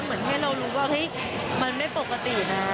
เหมือนให้เรารู้ว่าเฮ้ยมันไม่ปกตินะ